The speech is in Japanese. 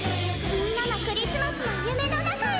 みんなのクリスマスの夢の中へ！